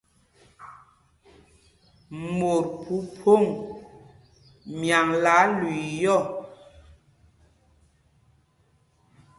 Mot phúphōŋ myaŋla lüii yɔ́.